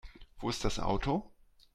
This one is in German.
Wo ist das Auto?